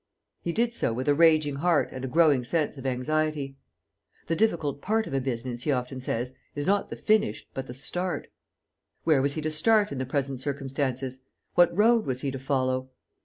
He did so with a raging heart and a growing sense of anxiety. "The difficult part of a business," he often says, "is not the finish, but the start." Where was he to start in the present circumstances? What road was he to follow?